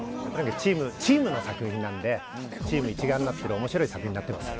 チームの作品なのでチーム一丸になっている面白い作品になってます。